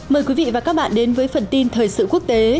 mời quý vị và các bạn đến với phần tin thời sự quốc tế